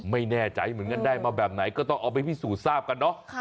ไม่แน่ใจเหมือนกันได้มาแบบไหนก็ต้องเอาไปพิสูจน์ทราบกันเนอะ